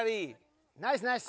ナイスナイス。